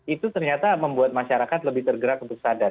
itu ternyata membuat masyarakat lebih tergerak untuk sadar